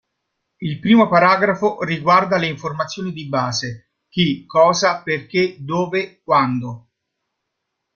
Il primo paragrafo riguarda le informazioni di base: chi, cosa perché, dove, quando.